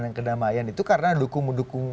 dan kedamaian itu karena mendukung mendukung